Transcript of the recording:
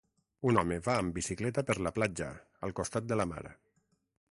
Un home va amb bicicleta per la platja, al costat de la mar.